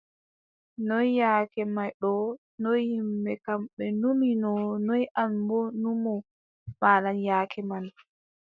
Noy yaake may ɗo, noy yimɓe kam, ɓe numino, noy an boo numo maaɗan yaake man?